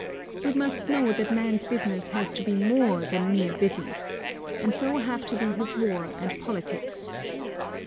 We must know that man's business has to be more than mere business, and so have to be his war and politics.